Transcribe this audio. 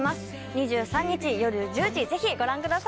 ２３日夜１０時ぜひご覧ください。